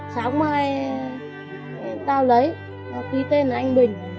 sáng mai tao lấy nó ký tên là anh bình